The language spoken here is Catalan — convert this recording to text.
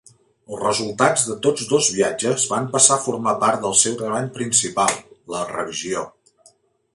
Els resultats de tots dos viatges van passar a formar part del seu treball principal, la "Revisio".